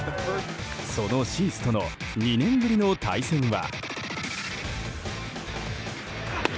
そのシースとの２年ぶりの対戦は。